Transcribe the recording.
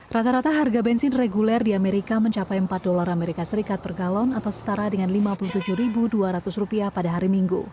rata rata harga bensin reguler di amerika mencapai empat dolar as per galon atau setara dengan lima puluh tujuh dua ratus rupiah pada hari minggu